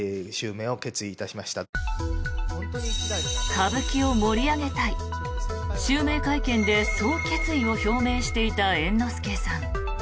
歌舞伎を盛り上げたい襲名会見でそう決意を表明していた猿之助さん。